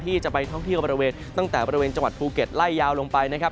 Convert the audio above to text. ที่จะไปท่องเที่ยวบริเวณตั้งแต่บริเวณจังหวัดภูเก็ตไล่ยาวลงไปนะครับ